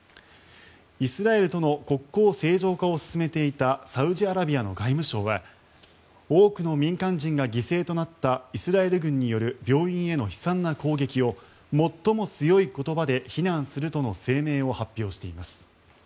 イスラエルとの国交正常化を進めていたサウジアラビアの外務省は多くの民間人が犠牲となったイスラエル軍による病院への悲惨な攻撃を最も強い言葉で非難するとの声明を発表しています。